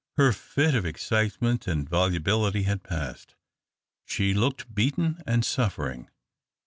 Her fit of excitement and volubility had passed ; she looked beaten and suff'ering.